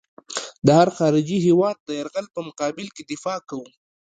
د هر خارجي هېواد د یرغل په مقابل کې دفاع کوو.